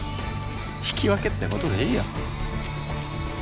引き分けってことでいいよ。